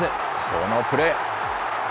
このプレー。